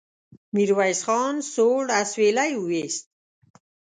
ميرويس خان سوړ اسويلی وايست.